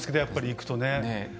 やっぱり行くとね。